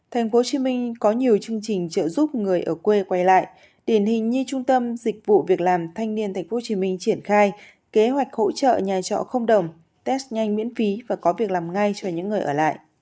tp hcm có nhiều chương trình trợ giúp người ở quê quay lại điển hình như trung tâm dịch vụ việc làm thanh niên tp hcm triển khai kế hoạch hỗ trợ nhà trọ không đồng test nhanh miễn phí và có việc làm ngay cho những người ở lại